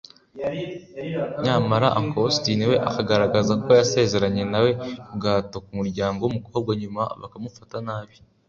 nyamara Uncle Austin we akagaragaza ko yasezeranye nawe ku gahato k’umuryango w’umukobwa nyuma bakamufata nabi